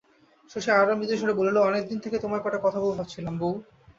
শশী আরও মৃদুস্বরে বলিল, অনেক দিন থেকে তোমায় কটা কথা বলব ভাবছিলাম বৌ।